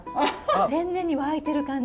天然に湧いてる感じ